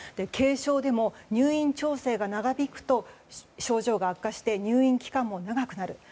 軽症でも入院調整が長引くと症状が悪化して入院期間も長くなる。